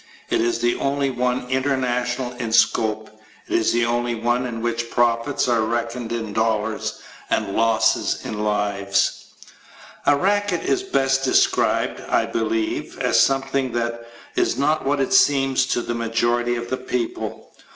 It is the only one international in scope. It is the only one in which the profits are reckoned in dollars and the losses in lives. A racket is best described, I believe, as something that is not what it seems to the majority of the people.